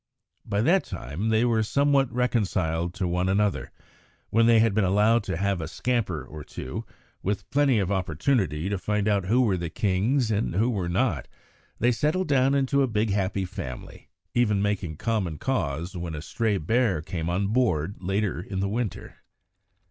By that time they were somewhat reconciled to one another; when they had been allowed to have a scamper or two, with plenty of opportunity to find out who were the kings and who were not, they settled down into a big happy family, even making common cause when a stray bear came on board later in the winter.